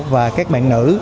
và các bạn nữ